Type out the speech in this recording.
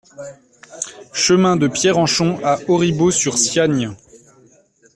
Chemin de Pierrenchon à Auribeau-sur-Siagne